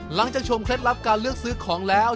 ชมเคล็ดลับการเลือกซื้อของแล้ว